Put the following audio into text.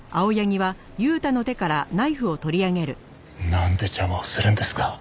なんで邪魔をするんですか。